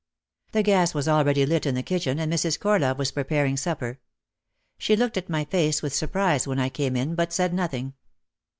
The gas was already lit in the kitchen and Mrs. Cor love was preparing supper. She looked at my face with surprise when I came in but said nothing.